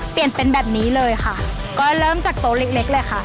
เปลี่ยนเป็นแบบนี้เลยค่ะก็เริ่มจากโต๊ะเล็กเล็กเลยค่ะ